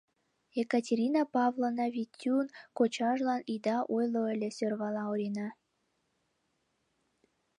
— Екатерина Павловна, Витюн кочажлан ида ойло ыле, — сӧрвала Орина.